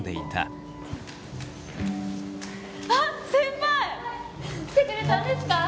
あっ先輩来てくれたんですか。